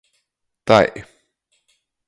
Tai...